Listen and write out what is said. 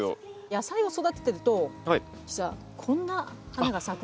野菜を育ててると実はこんな花が咲くんです。